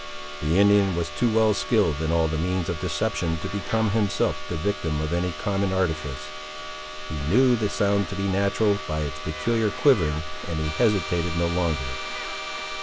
The Indian was too well skilled in all the means of deception to become himself the victim of any common artifice. He knew the sound to be natural, by its peculiar quivering, and he hesitated no longer.